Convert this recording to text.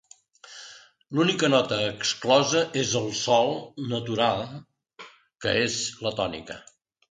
L'única nota exclosa és el sol natural, que és la tònica.